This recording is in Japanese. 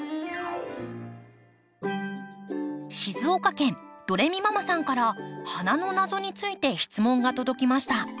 静岡県ドレミママさんから花の謎について質問が届きました。